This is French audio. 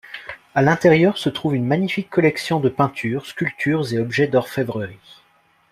À l'intérieur se trouve une magnifique collection de peintures, sculptures et objets d'orfèvrerie.